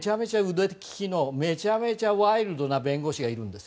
腕利きのめちゃめちゃワイルドな弁護士がいるんです。